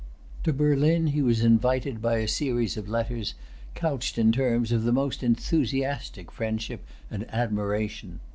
To Berlin he was invited by a series of letters, couched in terms of the most enthusiastic friendship and admiration.